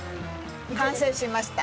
完成しました。